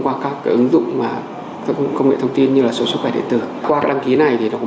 qua các cái ứng dụng mà công nghệ thông tin như là sổ sức khỏe điện tử qua đăng ký này thì nó có